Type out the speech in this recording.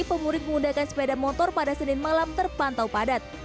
pemudik menggunakan sepeda motor pada senin malam terpantau padat